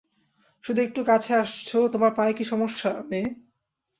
শুধু একটু কাছে আসছো তোমার পায়ে কি সমস্যা, মেয়ে?